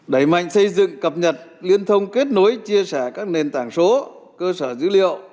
đẩy mạnh xây dựng cập nhật liên thông kết nối chia sẻ các nền tảng số cơ sở dữ liệu